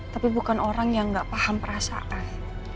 tapi bukan orang yang gak paham perasaan